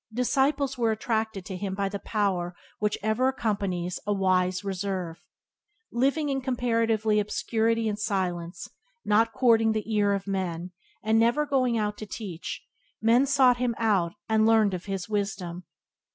Disciples were attracted to him by the power which ever accompanies a wise reserve. Living in comparative obscurity and silence, not courting the ear of men, and never going out to teach, men sought him out and learned of him wisdom.